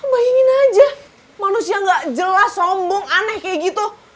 bayangin aja manusia gak jelas sombong aneh kayak gitu